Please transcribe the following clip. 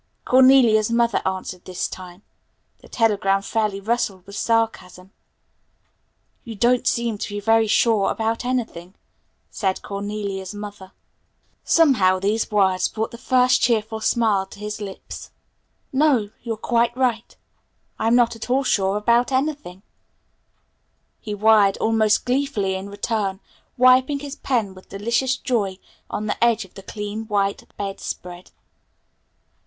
Cornelia's mother answered this time. The telegram fairly rustled with sarcasm. "You don't seem to be very sure about anything," said Cornelia's mother. Somehow these words brought the first cheerful smile to his lips. "No, you're quite right. I'm not at all sure about anything," he wired almost gleefully in return, wiping his pen with delicious joy on the edge of the clean white bed spread.